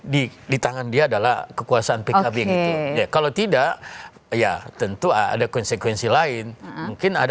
di di tangan dia adalah kekuasaan pkb gitu ya kalau tidak ya tentu ada konsekuensi lain mungkin ada